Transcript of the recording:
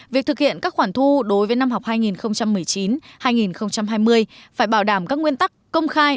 việc thực hiện các khoản thu đối với năm học hai nghìn một mươi chín hai nghìn hai mươi phải bảo đảm các nguyên tắc công khai